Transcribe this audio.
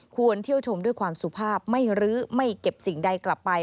เที่ยวชมด้วยความสุภาพไม่รื้อไม่เก็บสิ่งใดกลับไป